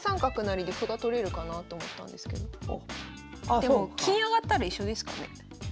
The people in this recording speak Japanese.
でも金上がったら一緒ですかね。